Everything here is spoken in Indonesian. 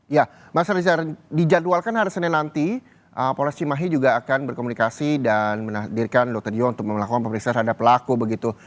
ya mas reza dijadwalkan hari senin nanti paul s cimahi juga akan berkomunikasi dan menadirkan dr dio untuk melakukan pembelajaran